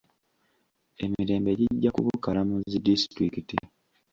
Emirembi gijja kubukala mu zi disitulikiti.